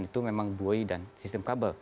itu memang buoy dan sistem kabel